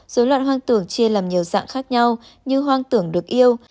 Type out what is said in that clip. dối loạn hoang tưởng chia làm nhiều dạng khác nhau như hoang tưởng được yêu